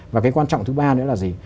và cái quan trọng thứ ba nữa là gì